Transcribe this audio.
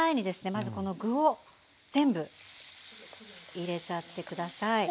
まずこの具を全部入れちゃってください。